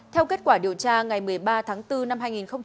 theo kết quả điều tra ngày một mươi ba tháng bốn năm hai nghìn hai mươi